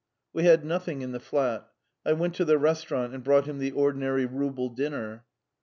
We had nothing in the flat. I went to the restaurant and brought him the ordinary rouble dinner.